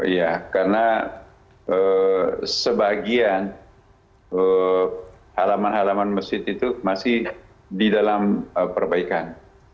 ya karena sebagian halaman halaman masjid itu masih di dalam perbaikan